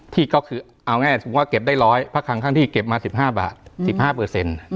ที่ก็คือเอาง่ายสมมุติว่าเก็บได้ร้อยพระครั้งที่เก็บมา๑๕บาท๑๕เปอร์เซ็นต์